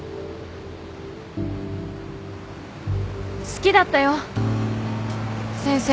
好きだったよ先生。